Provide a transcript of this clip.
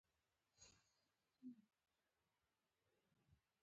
مهال او شرايط: